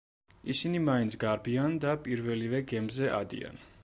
ისინი მაინც გარბიან და პირველივე გემზე ადიან.